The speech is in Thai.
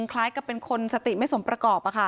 คล้ายกับเป็นคนสติไม่สมประกอบ